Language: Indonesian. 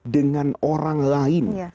dengan orang lain